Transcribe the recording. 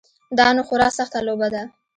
دا نو خورا سخته لوبه ده.